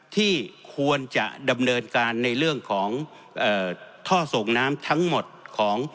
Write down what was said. ที่ควรจะดำเนินการในเรื่องของท่อส่งน้ำทั้งหมดของ